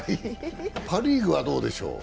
パ・リーグはどうでしょう。